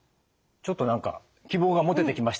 ちょっと何か希望が持ててきました。